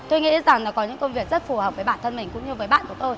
tôi nghĩ rằng là có những công việc rất phù hợp với bản thân mình cũng như với bạn của tôi